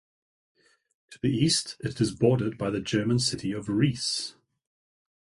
To the east, it is bordered by the German city of Rees.